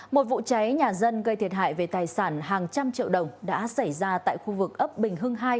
một vụ cháy nhà dân gây thiệt hại về tài sản hàng trăm triệu đồng đã xảy ra tại khu vực ấp bình hưng hai